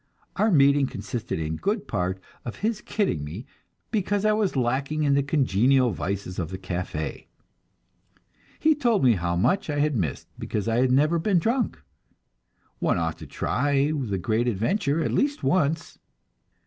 Our meeting consisted in good part of his "kidding" me, because I was lacking in the congenial vices of the café. He told me how much I had missed, because I had never been drunk; One ought to try the great adventure, at least once!